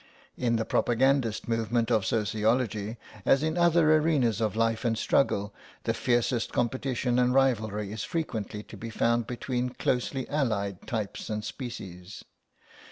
In the propagandist movements of Sociology, as in other arenas of life and struggle, the fiercest competition and rivalry is frequently to be found between closely allied types and species.